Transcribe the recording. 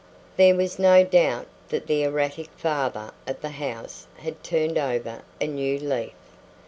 There was no doubt that the erratic father of the house had turned over a new leaf.